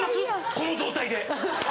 この状態で。